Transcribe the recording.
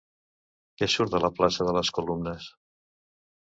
Què surt de la plaça de les Columnes?